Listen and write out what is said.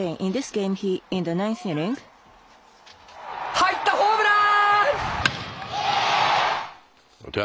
入った、ホームラン。